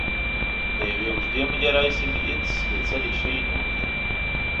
له یوې اوږدې مودې راهیسې مې هېڅ سپېڅلی شی نه و لیدلی.